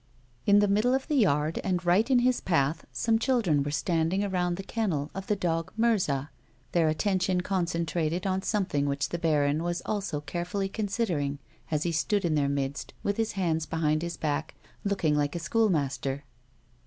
In the middle of the yard, and right in his path, some children were standing around the iicnnel of the dog Mirza, their attention concentrated on something which the baron was also carefully considering as he stood in their midst with his hands behind his back, looking like a school master.